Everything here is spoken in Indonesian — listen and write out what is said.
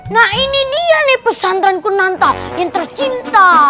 nah ini dia nih pesantren kurnanta yang tercinta